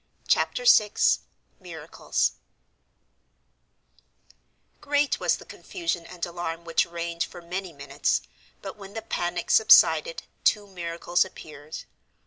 Chapter VI MIRACLES Great was the confusion and alarm which reigned for many minutes, but when the panic subsided two miracles appeared.